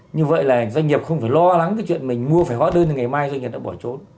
như vậy là doanh nghiệp không phải lo lắng cái chuyện mình mua phải hóa đơn thì ngày mai doanh nghiệp đã bỏ trốn